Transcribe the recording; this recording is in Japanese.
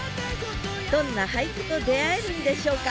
どんな俳句と出会えるんでしょうか！？